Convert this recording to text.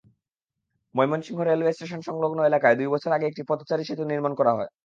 Mymensingh railway স্টেশনসংলগ্ন এলাকায় দুই বছর আগে একটি পদচারী সেতু নির্মাণ করা হয়।